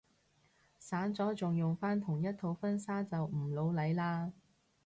散咗仲用返同一套婚紗都唔老嚟啦